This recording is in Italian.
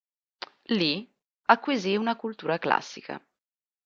Lì acquisì una cultura classica.